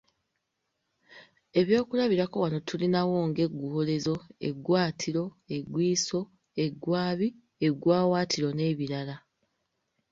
Ebyokulabirako wano tulinawo nga, eggwoolezo, eggwaatiro, eggwiiso, eggwaabi, eggwaawaatiro n'ebirala.